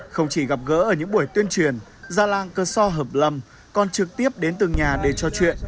không chỉ gặp gỡ ở những buổi tuyên truyền gia làng cơ so hợp lâm còn trực tiếp đến từng nhà để trò chuyện